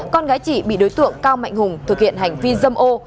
con gái chị bị đối tượng cao mạnh hùng thực hiện hành vi dâm ô